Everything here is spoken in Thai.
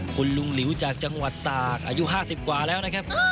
คุณลุงหลิวจากจังหวัดตากอายุ๕๐กว่าแล้วนะครับ